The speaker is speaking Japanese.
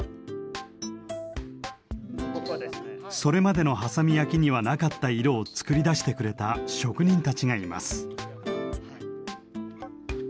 それまでの波佐見焼にはなかった色を作り出してくれた職人たちがいます。